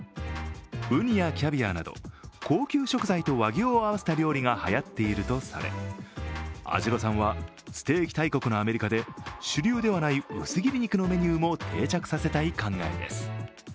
うにやキャビアなど高級食材と和牛をあわせた料理がはやっているとされ、安代さんはステーキ大国のアメリカで主流ではない薄切り肉のメニューも定着させたい考えです。